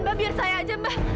jangan mba biar saya aja mba